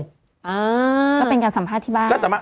ก็เป็นการสัมภาษณ์ที่บ้าน